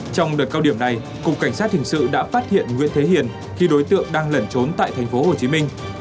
trong đợt cao điểm này cục cảnh sát hình sự đã phát hiện nguyễn thế hiền khi đối tượng đang lẩn trốn tại thành phố hồ chí minh